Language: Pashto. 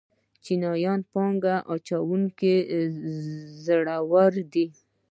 چینايي پانګه اچوونکي زړور دي.